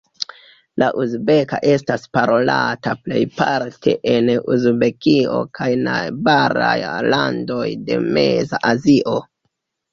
La uzbeka estas parolata plejparte en Uzbekio kaj najbaraj landoj de Meza Azio.